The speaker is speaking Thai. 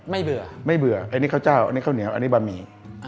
เบื่อไม่เบื่ออันนี้ข้าวเจ้าอันนี้ข้าวเหนียวอันนี้บะหมี่